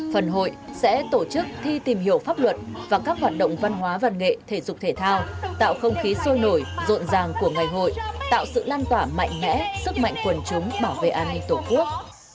phần hội sẽ tổ chức thi tìm hiểu pháp luật và các hoạt động văn hóa văn nghệ thể dục thể thao tạo không khí sôi nổi rộn ràng của ngày hội tạo sự lan tỏa mạnh mẽ sức mạnh quần chúng bảo vệ an ninh tổ quốc